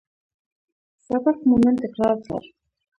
سبق مو نن تکرار کړ